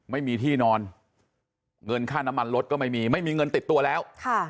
ไม่มีที่นอนเงินค่าน้ำมันรถก็ไม่มีไม่มีเงินติดตัวแล้ว